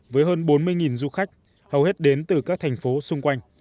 với hơn bốn mươi du khách hầu hết đến từ các thành phố xung quanh